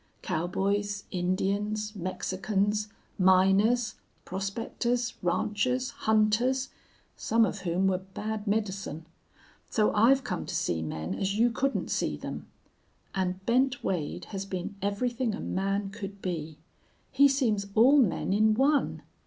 Cowboys, Indians, Mexicans, miners, prospectors, ranchers, hunters some of whom were bad medicine. So I've come to see men as you couldn't see them. And Bent Wade has been everything a man could be. He seems all men in one.